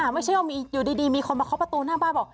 ไม่ใช่ว่าอยู่ดีมีคนเข้าประตูข้างบ้านมาบอก